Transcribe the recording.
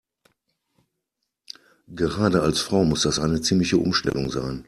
Gerade als Frau muss das eine ziemliche Umstellung sein.